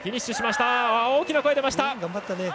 大きな声、出ました。